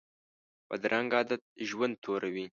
بدرنګه عادت ژوند توروي